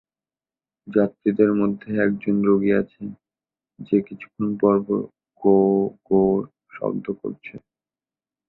যাত্রীদের মধ্যে একজন রোগী আছে, যে কিছুক্ষণ পরপর গো-গোঁ শব্দ করছে।